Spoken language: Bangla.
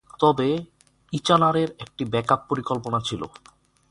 তবে, ইচানারের একটি ব্যাকআপ পরিকল্পনা ছিল।